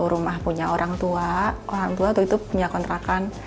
rumah punya orang tua orang tua tuh itu punya kontrakan